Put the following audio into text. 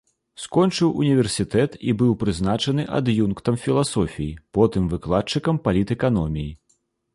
Скончыў універсітэт і быў прызначаны ад'юнктам філасофіі, потым выкладчыкам палітэканоміі.